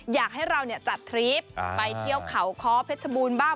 อยากให้เราจัดทริปไปเที่ยวเขาค้อเพชรบูรณ์บ้าง